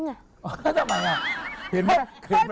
ทำไมล่ะเห็นไหมเคยเปิดโรงเรียนแล้วเหรอ